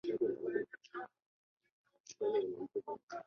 为繁嚣国际都会营造一个宁静和谐环境。